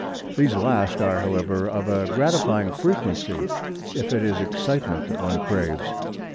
These last are, however, of a gratifying frequency, if it is excitement that one craves.